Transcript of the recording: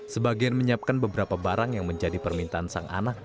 sebagian menyiapkan beberapa barang yang menjadi permintaan sang anak